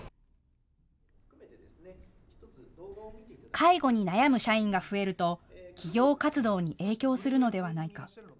介護に悩む社員が増えると企業活動に影響するのではないか。